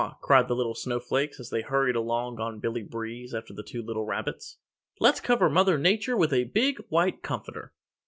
cried the little Snow Flakes as they hurried along on Billy Breeze after the two little rabbits, "Let's cover Mother Nature with a big white comforter!"